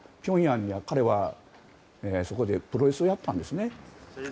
平壌には彼はそこでプロレスをやったんです。